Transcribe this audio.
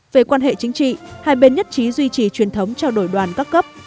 về quan hệ chính trị hai bên nhất trí duy trì truyền thống trao đổi đoàn các cấp